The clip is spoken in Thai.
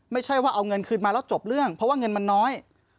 ไม่ใช่ว่าเอาเงินคืนมาแล้วจบเรื่องเพราะว่าเงินมันน้อย